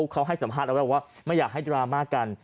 เขาให้สัมภาษณ์เอาไว้ว่าไม่อยากให้ดราม่ากัน